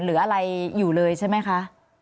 หรืออะไรอยู่เลยใช่ไหมคะ